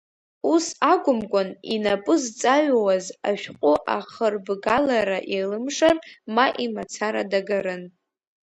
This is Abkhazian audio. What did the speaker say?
Ус акәымкәан, инапы зҵаҩуаз ашәҟәы ахырбгалара илымшар, ма имацара дагарын.